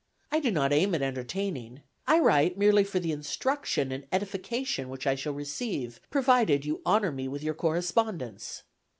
I do not aim at entertaining. I write merely for the instruction and edification which I shall receive, provided you honor me with your correspondence.